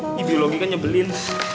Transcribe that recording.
ini biologi kan nyebelin